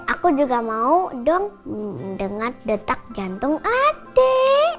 aku juga mau dong dengar detak jantung adek